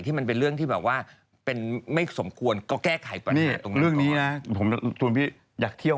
อย่างเช่นนั้นทั้งมันก็นอย่างก็ไม่ลองจะดี